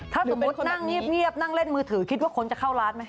ถ้าสมมุตินั่งเงียบนั่งเล่นมือถือคิดว่าคนจะเข้าร้านไหม